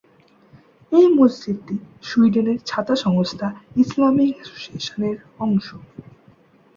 এই মসজিদটি সুইডেনের ছাতা সংস্থা ইসলামিক অ্যাসোসিয়েশনের অংশ।